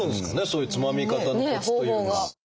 そういうつまみ方のコツというか。